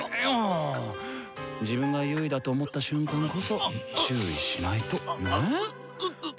自分が優位だと思った瞬間こそ注意しないとネェ？